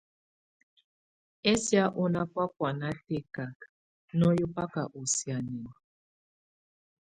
Ɛsɛ̀á ɔ́ ná bɔ̀á bɔ̀ána tɛkaka, nɔyɛ ɛbaka ɔ̀ sianɛna.